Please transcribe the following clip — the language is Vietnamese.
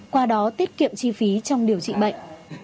qua đó tiết kiệm chi phí trong điều trị bệnh